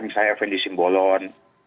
keven di simbolon